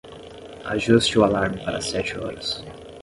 Ajuste o alarme para as sete horas.